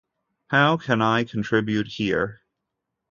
How can I contribute here?